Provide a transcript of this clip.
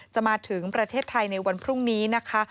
จะมาถึงประเทศไทยในวันพรุ่งนี้นะคะ